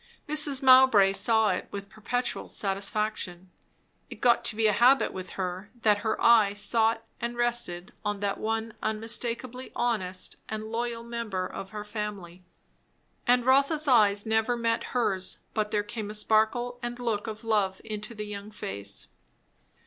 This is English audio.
Mrs. Mowbray saw it with perpetual satisfaction; it got to be a habit with her that her eye sought and rested on that one unmistakeably honest and loyal member of her family. And Rotha's eye never met hers but there came a sparkle and a look of love into the young face.